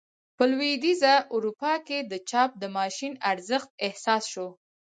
په لوېدیځه اروپا کې د چاپ د ماشین ارزښت احساس شو.